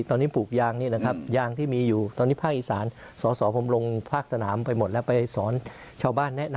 ตอนนี้ปลูกยางนี้นะครับ